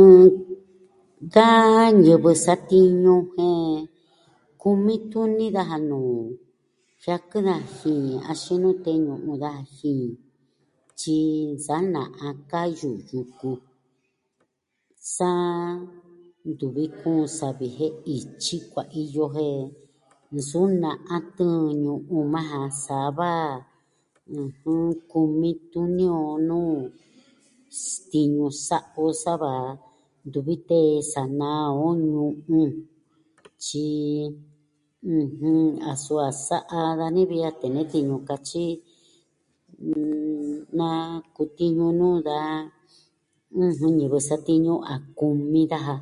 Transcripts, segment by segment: Ɨh... Da ñivɨ satiñu jen, kumi tuni daja nuu jiaku da ji axin nute ñu'un da ji, tyi sa na'a kayu yuku. Sa ntuvi kuun savi jen ityi kuaiyo jen, nsuu na'a tɨɨn ñu'un maa ja, sava ɨjɨn... kumi tuni o nuu stiñu sa'a o sava ntuvi tee sa naa on ñu'un. Tyi... ɨjɨn, a suu a sa'a dani vi a tee nee tiñu katyi, n... na kutiñu nuu da, ɨjɨn, ñivɨ satiñu a kumi daja.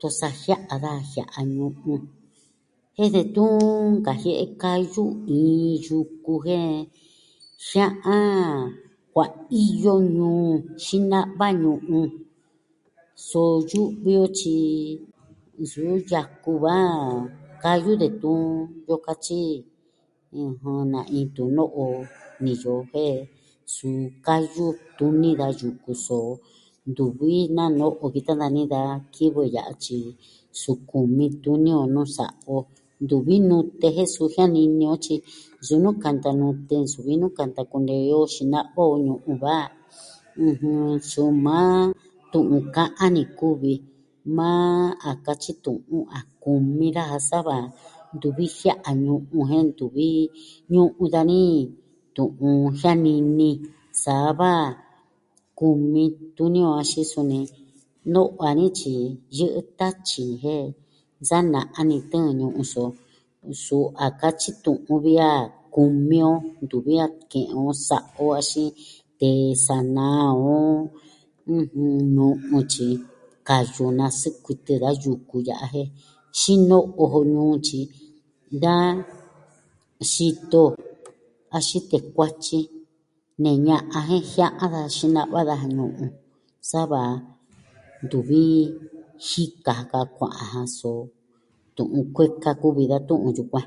Tosa jia'a da jia'a ñu'un. Jen detun nkajie'e kayu iin yuku jen jia'a kuaiyo nuu tyi nava ñu'un. So yu'vi o tyi nsuu yaku va kayu detun iyo ka tyi, ɨjɨn, na'in tuno'o niyo jen, suu kayu tuni da yuku so, ntuvi nano'o vitan nani da kivɨ ya'a tyi suu kumi tuni o nuu sa'a o. Ntuvi nute jen suu jianini o tyi, suu nuu kanta nute nsuvi nuu kanta kunee o xina'a o ñu'un va, ɨjɨn, suu maa tu'un ka'an ni kuvi maa a katyi tu'un a kumi daja sava ntuvi jia'a ñu'un jen ntuvi ñu'un dani tu'un jianini saa va kumi tuni o axin suni no'o a nityi. Yɨ'ɨ tatyi jen sa na'a ni tɨɨn ñu'un so, suu a katyi tu'un vi a kumi o, ntuvi a ke'en on sa'a o axin tee sa naa o, ɨjɨn, nu'u tyi kayu nasikuitɨ da yuku ya'a jen xino'o jo ñuu tyi da xito axin tee kuatyi ne ña'an jen jia'a da xinava daja nu'u. Sava, ntuvi jika ka kua'an ja so tu'un kueka kuvi da tu'un yukuan.